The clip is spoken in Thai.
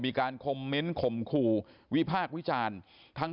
มีการคอมเมนต์คมคู่วิพากษ์วิจารณ์